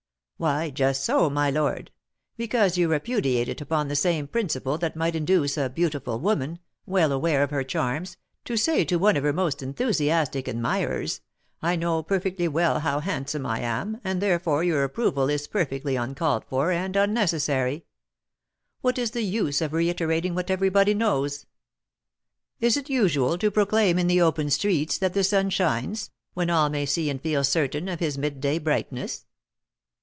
"Why, just so, my lord; because you repudiate it upon the same principle that might induce a beautiful woman, well aware of her charms, to say to one of her most enthusiastic admirers, 'I know perfectly well how handsome I am, and therefore your approval is perfectly uncalled for and unnecessary. What is the use of reiterating what everybody knows? Is it usual to proclaim in the open streets that the sun shines, when all may see and feel certain of his midday brightness?'"